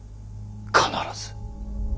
必ず。